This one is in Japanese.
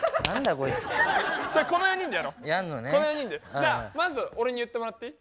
じゃあまず俺に言ってもらっていい？